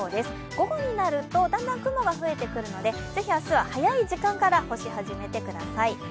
午後になると、だんだん雲が増えてくるのでぜひ明日は早い時間から干し始めてください。